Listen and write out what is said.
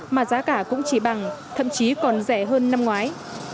mà giá cả cũng chỉ bằng thậm chí còn rẻ hơn năm ngoái